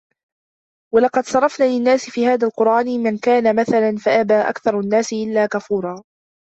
ولقد صرفنا للناس في هذا القرآن من كل مثل فأبى أكثر الناس إلا كفورا